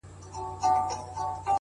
باد را الوتی; له شبِ ستان دی;